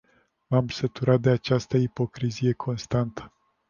M-am săturat de această ipocrizie constantă.